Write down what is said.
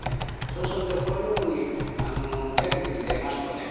そうするとこういうふうにテレビに出ますとね